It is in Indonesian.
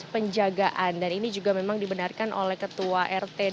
penjagaan dan ini juga memang dibenarkan oleh ketua kpk di lodamsharif